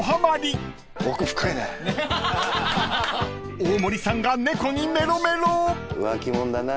［大森さんが猫にメロメロ］